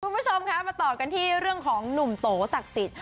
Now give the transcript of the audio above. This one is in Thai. คุณผู้ชมครับมาตอบกันที่เรื่องของหนุ่มโตโศคศิษฐ์